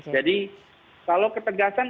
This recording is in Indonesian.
jadi kalau ketegasan